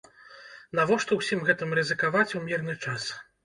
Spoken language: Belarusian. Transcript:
Навошта ўсім гэтым рызыкаваць у мірны час?